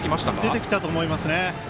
出てきたと思います。